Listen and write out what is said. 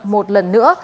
một ngày sau